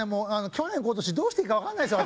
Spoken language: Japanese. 去年今年どうしていいかわかんないですよ